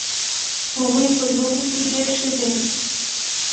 هغوی په لوبو کې ډېر ښه دي